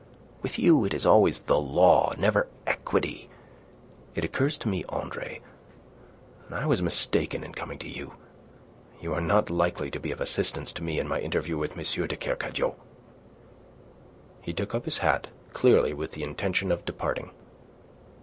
With you it is always the law, never equity. It occurs to me, Andre, that I was mistaken in coming to you. You are not likely to be of assistance to me in my interview with M. de Kercadiou." He took up his hat, clearly with the intention of departing.